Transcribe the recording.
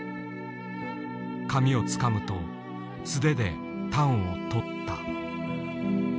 紙をつかむと素手でたんを取った。